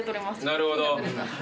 なるほど。